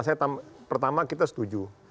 saya pertama kita setuju